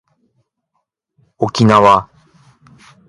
おきなわ